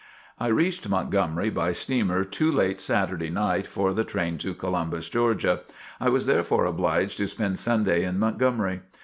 I reached Montgomery by steamer too late Saturday night for the train to Columbus, Georgia. I was therefore obliged to spend Sunday in Montgomery.